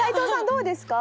どうですか？